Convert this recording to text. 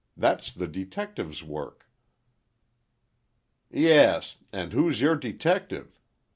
That's the detective's work." "Yes—and who's your detective?